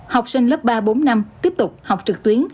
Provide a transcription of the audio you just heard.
học sinh lớp ba bốn năm tiếp tục học trực tuyến